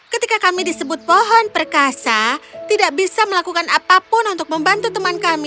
ketika kami disebut pohon perkasa tidak bisa melakukan apapun untuk membantu teman kami